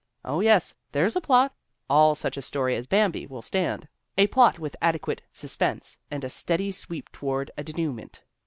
Oh, yes, there's a plot ; all such a story as Bambi will stand ; a plot with adequate sus pense and a steady sweep toward a denouement.